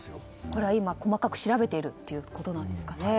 これは今、細かく調べているということなんですかね。